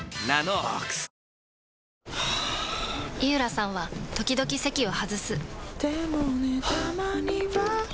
はぁ井浦さんは時々席を外すはぁ。